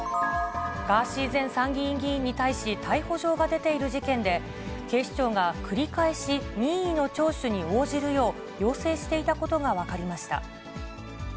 ガーシー前参議院議員に対し逮捕状が出ている事件で、警視庁が繰り返し任意の聴取に応じるよう要請していたことが分かりました。